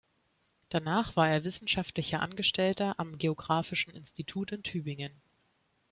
Danach war er Wissenschaftlicher Angestellter am Geographischen Institut in Tübingen.